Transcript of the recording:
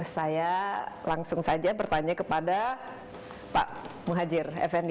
saya langsung saja bertanya kepada pak muhajir effendi